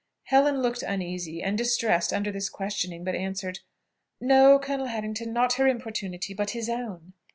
Helen looked uneasy and distressed under this questioning, but answered, "No, Colonel Harrington; not her importunity, but his own."